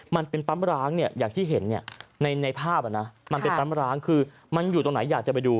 มันเป็นปั๊มร้างเนี่ยอย่างที่เห็นในภาพมันเป็นปั๊มร้างคือมันอยู่ตรงไหนอยากจะไปดู